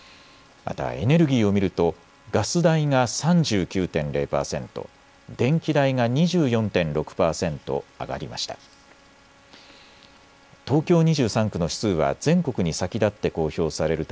またエネルギーを見るとガス代が３９．０％、電気代が２４．６％上がりました。